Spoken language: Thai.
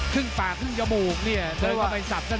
ขึ้งปากขึ้งจมูกเนี่ยเธอความสับสั้น